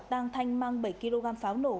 tăng thanh mang bảy kg pháo nổ